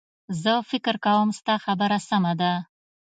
زه فکر کوم ستا خبره سمه ده